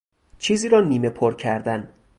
چیزی را نیمه پر کردن